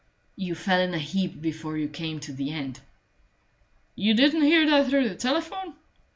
"You fell in a heap before you came to the end." "You didn't hear that through the telephone?"